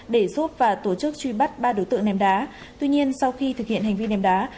để giúp và tổ chức truy bắt ba đối tượng ném đá tuy nhiên sau khi thực hiện hành vi ném đá